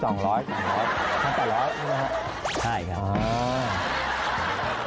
ใช่ครับ